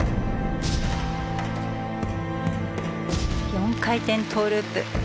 ４回転トウループ。